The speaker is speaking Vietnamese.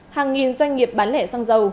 hàng nghìn doanh nghiệp bán lẻ sang giá